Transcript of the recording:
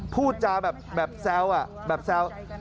พูดจาแบบแซวแบบแซว